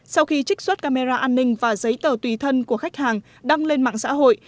sau khi trích xuất camera an ninh và giấy tờ tùy thân của khách hàng đăng lên mạng xã hội